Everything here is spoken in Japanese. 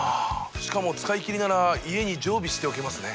しかも使いきりなら家に常備しておけますね。